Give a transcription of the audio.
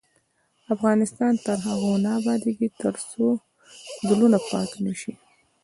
افغانستان تر هغو نه ابادیږي، ترڅو زړونه پاک نشي.